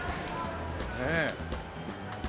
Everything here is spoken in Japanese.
ねえ。